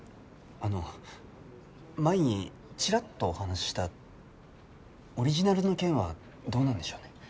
あの前にチラッとお話ししたオリジナルの件はどうなんでしょうね？